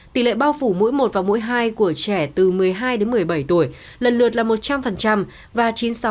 tỷ lệ bao phủ mỗi một và mũi hai của trẻ từ một mươi hai đến một mươi bảy tuổi lần lượt là một trăm linh và chín mươi sáu